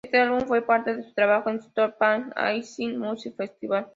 Este álbum fue parte de su trabajo en Stanford Pan Asian Music festival.